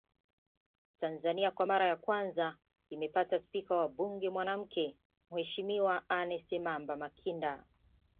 Tanzania kwa mara ya kwanza imepata spika wa mbuge mwanamke Mheshimiwa Anna Semamba Makinda